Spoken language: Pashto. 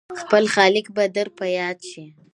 خپل خالق به در په ياد شي !